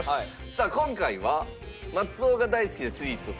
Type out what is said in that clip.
さあ今回は松尾が大好きなスイーツをテーマに。